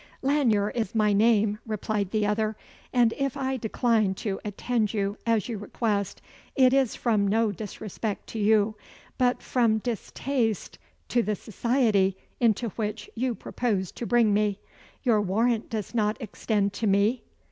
"Lanyere is my name," replied the other; "and if I decline to attend you, as you request, it is from no disrespect to you, but from distaste to the society into which you propose to bring me. Your warrant does not extend to me?"